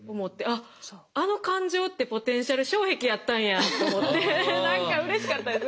あっあの感情ってポテンシャル障壁やったんやと思って何かうれしかったです。